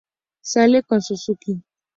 Sale con Suzuki.